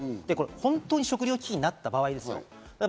本当に食糧危機になった場合ですよ。